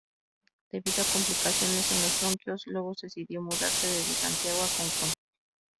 Debido a complicaciones en los bronquios, Lobos decidió mudarse desde Santiago a Concón.